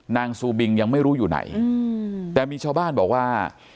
ซูบิงยังไม่รู้อยู่ไหนแต่มีชาวบ้านบอกว่า